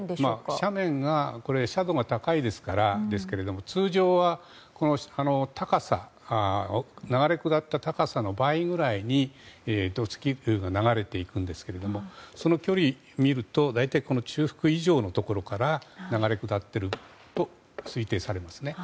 斜面が斜度が高いからですが通常は、高さ流れ下った高さの場合ぐらいに土石流が流れていくんですけどその距離を見ると大体この中腹以上のところから流れ下っていると推定されます。